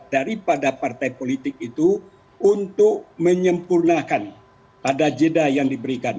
daripada partai politik itu untuk menyempurnakan pada jeda yang diberikan